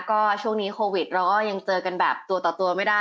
ก็ช่วงนี้โควิดเราก็ยังเจอกันแบบตัวต่อตัวไม่ได้